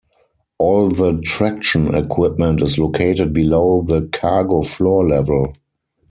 All the traction equipment is located below the cargo floor level.